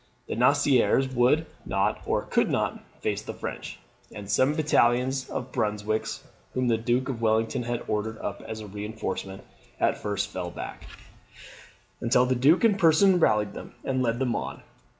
The Nassauers would not or could not face the French; and some battalions of Brunswickers, whom the Duke of Wellington had ordered up as a reinforcement, at first fell back, until the Duke in person rallied them, and led them on.